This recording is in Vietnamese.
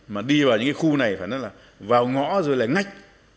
mà đi vào những cái khu này phải nói là vào ngõ rồi là ngách